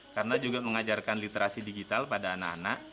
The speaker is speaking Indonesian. karena juga mengajarkan literasi digital pada anak anak